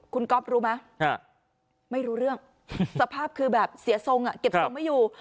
คุณก๊อฟรู้ไหมไม่รู้เรื่องสภาพคือแบบเสียทรงเก็บทรงไม่อยู่